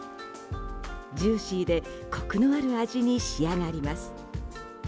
ジューシーでコクのある味に仕上がります。